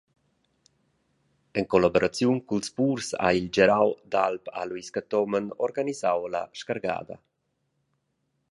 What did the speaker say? En collaboraziun culs purs ha il gerau d’alp Aluis Cathomen organisau la scargada.